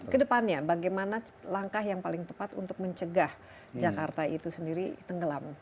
kedepannya bagaimana langkah yang paling tepat untuk mencegah jakarta itu sendiri tenggelam